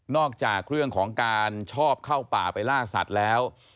จากเรื่องของการชอบเข้าป่าไปล่าสัตว์แล้ว